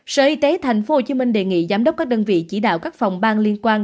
sở y tế tp hcm đề nghị giám đốc các đơn vị chỉ đạo các phòng ban liên quan